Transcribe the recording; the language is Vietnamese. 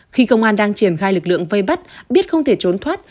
khi công an đang triển khai lực lượng vây bắt biết không thể trốn thoát